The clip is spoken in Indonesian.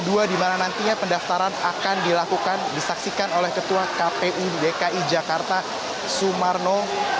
di mana nantinya pendaftaran akan dilakukan disaksikan oleh ketua kpu dki jakarta sumarno